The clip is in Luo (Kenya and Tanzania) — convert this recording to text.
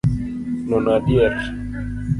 Nono adier.